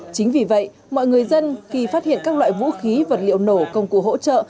chính vì vậy mọi người dân khi phát hiện các loại vũ khí vật liệu nổ công cụ hỗ trợ